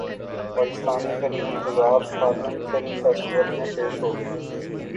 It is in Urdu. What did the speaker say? Pakistani film Intezaar Harlem film festival میں پیش ہوگی